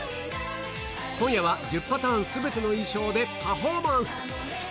今夜は１０パターンすべての衣装でパフォーマンス。